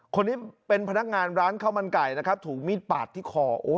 คนนี้เป็นพนักงานร้านข้าวมันไก่นะครับถูกมีดปาดที่คอ